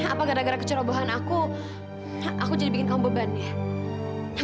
apa gara gara kecerobohan aku aku jadi bikin kaum beban ya